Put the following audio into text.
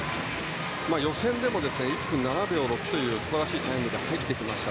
予選でも、１分７秒６という素晴らしいタイムで入ってきました。